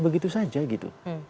begitu saja gitu